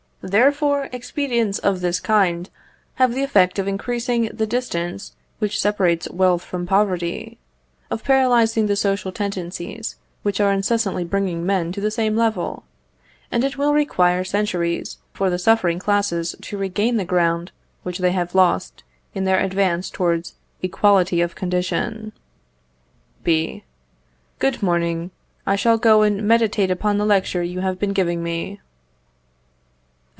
Therefore, expedients of this kind have the effect of increasing the distance which separates wealth from poverty, of paralysing the social tendencies which are incessantly bringing men to the same level, and it will require centuries for the suffering classes to regain the ground which they have lost in their advance towards equality of condition. B. Good morning; I shall go and meditate upon the lecture you have been giving me.